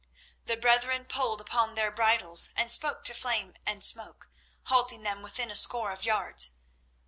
The brethren pulled upon their bridles and spoke to Flame and Smoke, halting them within a score of yards.